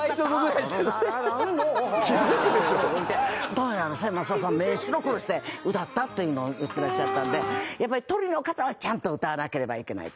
当時千昌夫さん目白黒して歌ったっていうのを言ってらっしゃったんでやっぱりトリの方はちゃんと歌わなければいけない。